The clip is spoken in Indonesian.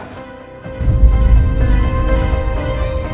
gue tahu rasanya sa